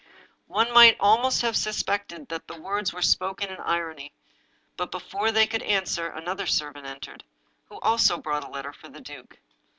One might almost have suspected that the words were spoken in irony. But before they could answer, another servant entered, who also brought a letter for the duke.